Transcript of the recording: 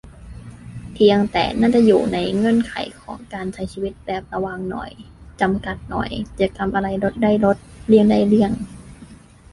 เพียงแต่น่าจะอยู่ในเงื่อนไขของการใช้ชีวิตแบบระวังหน่อย จำกัดหน่อย กิจกรรมอะไรลดได้ลด เลี่ยงได้เลี่ยง